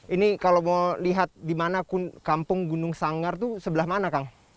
ini kalau mau lihat di mana kampung gunung sanggar itu sebelah mana kang